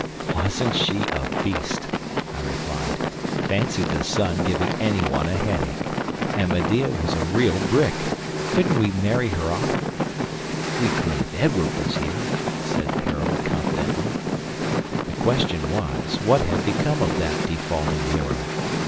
"Wasn't she a beast!" I replied. "Fancy the sun giving any one a headache! But Medea was a real brick. Couldn't we carry her off?" "We could if Edward was here," said Harold, confidently. The question was, What had become of that defaulting hero?